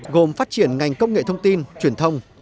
gồm phát triển ngành công nghệ thông tin truyền thông